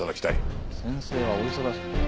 先生はお忙しい。